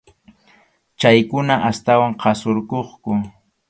Chaykuna astawan qhasurquqku.